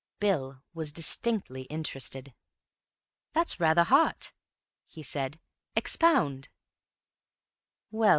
Bill was distinctly interested. "That's rather hot," he said. "Expound."